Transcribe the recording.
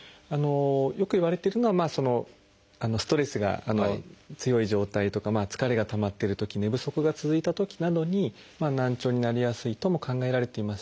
よくいわれているのはストレスが強い状態とか疲れがたまってるとき寝不足が続いたときなどに難聴になりやすいとも考えられていますし